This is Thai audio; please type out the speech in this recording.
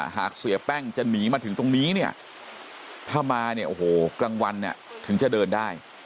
หากเสียแป้งจะหนีมาถึงตรงนี้เนี่ยถ้ามาเนี่ยโอ้โหกลางวันเนี่ยถึงจะเดินได้